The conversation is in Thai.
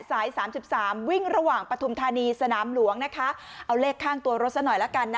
สายสามสิบสามวิ่งระหว่างปฐุมธานีสนามหลวงนะคะเอาเลขข้างตัวรถซะหน่อยละกันนะ